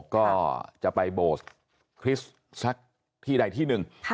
ก็จะไปโบสถ์คริสต์สักที่ใดที่หนึ่ง